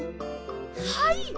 はい！